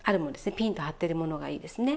ピンと張ってるものがいいですね。